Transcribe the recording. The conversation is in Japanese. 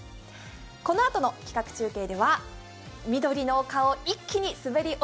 このあとの企画中継では、緑の丘を一気に滑る！